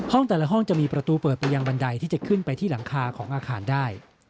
แต่ละห้องจะมีประตูเปิดไปยังบันไดที่จะขึ้นไปที่หลังคาของอาคารได้